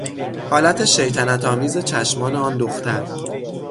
حالت شیطنت آمیز چشمان آن دختر